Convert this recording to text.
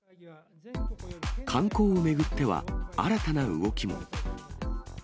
観光を巡っては新たな動きも。